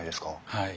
はい。